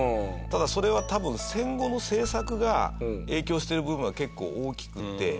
ただそれは多分戦後の政策が影響している部分が結構大きくて。